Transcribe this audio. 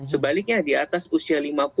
sebaliknya di atas usia lima puluh